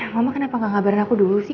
mama kenapa gak ngabarin aku dulu sih